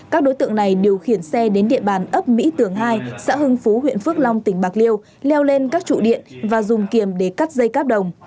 các đối tượng này điều khiển xe đến địa bàn ấp mỹ tường hai xã hưng phú huyện phước long tỉnh bạc liêu leo lên các trụ điện và dùng kiềm để cắt dây cáp đồng